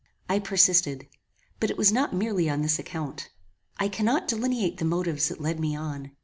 I persisted; but it was not merely on this account. I cannot delineate the motives that led me on.